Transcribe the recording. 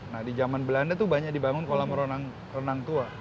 nah di jaman belanda tuh banyak dibangun kolam renang tua